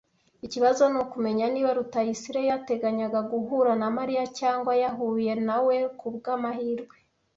Ikibazo ni ukumenya niba Rutayisire yateganyaga guhura na Mariya cyangwa yahuye na we ku bw'amahirwe.